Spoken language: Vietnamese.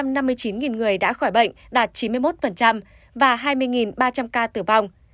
hơn năm mươi chín người đã khỏi bệnh đạt chín mươi một và hai mươi ba trăm linh ca tử vong